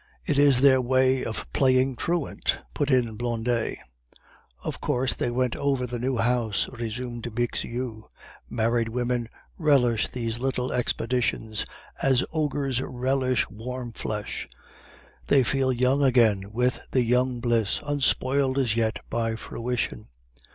"It is their way of playing truant," put in Blondet. "Of course they went over the new house," resumed Bixiou. "Married women relish these little expeditions as ogres relish warm flesh; they feel young again with the young bliss, unspoiled as yet by fruition.